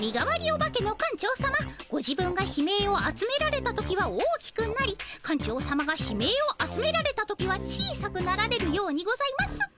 お化けの館長さまご自分が悲鳴を集められた時は大きくなり館長さまが悲鳴を集められた時は小さくなられるようにございます。